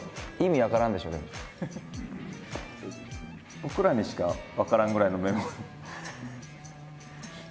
僕らにしか分からんぐらいのメモ。